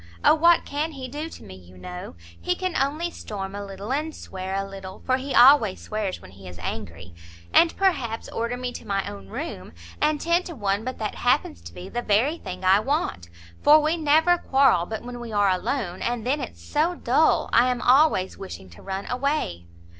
O what can he do to me, you know? he can only storm a little, and swear a little, for he always swears when he is angry; and perhaps order me to my own room; and ten to one but that happens to be the very thing I want; for we never quarrel but when we are alone, and then it's so dull, I am always wishing to run away."